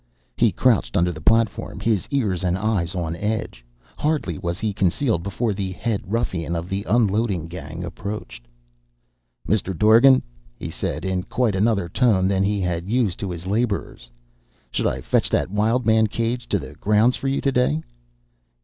He crouched under the platform, his ears and eyes on edge. Hardly was he concealed before the head ruffian of the unloading gang approached. "Mister Dorgan," he said, in quite another tone than he had used to his laborers, "should I fetch that wild man cage to the grounds for you to day?"